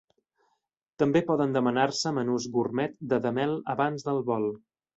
També poden demanar-se menús gurmet de Demel abans del vol.